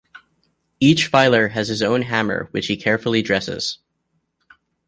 Each filer has his own hammer which he carefully dresses.